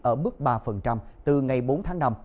ở bước ba từ ngày bốn tháng năm